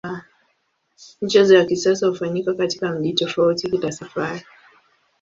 Michezo ya kisasa hufanyika katika mji tofauti kila safari.